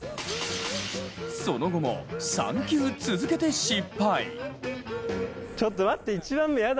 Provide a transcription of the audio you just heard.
その後も３球続けて失敗。